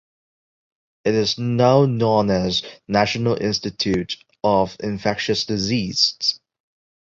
It is now known as National Institute of Infectious Diseases.